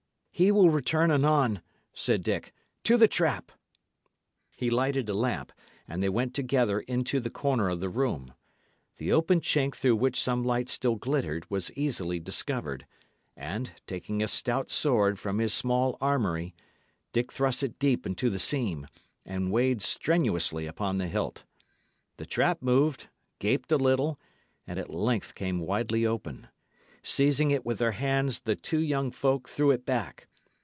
"He will return anon," said Dick. "To the trap!" He lighted a lamp, and they went together into the corner of the room. The open chink through which some light still glittered was easily discovered, and, taking a stout sword from his small armoury, Dick thrust it deep into the seam, and weighed strenuously on the hilt. The trap moved, gaped a little, and at length came widely open. Seizing it with their hands, the two young folk threw it back.